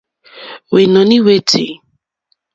Hwènɔ̀ní hwé tʃí.